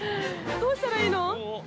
どうしたらいいの。